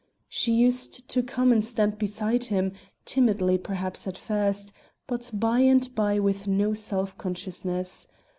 She used to come and stand beside him, timidly perhaps at first, but by and by with no self consciousness.